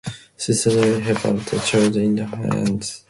She suddenly held up the child in her hands.